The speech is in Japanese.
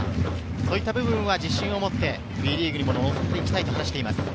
そういった部分は自信を持ってＷＥリーグに臨んでいきたいと話しています。